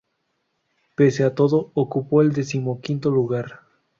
Pese a todo, ocupó el decimoquinto lugar.